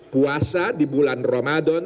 puasa di bulan romadhon